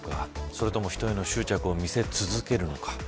それでも人への執着を見せ続けるのか。